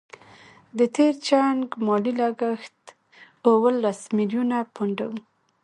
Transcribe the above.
د تېر جنګ مالي لګښت اوولس میلیونه پونډه وو.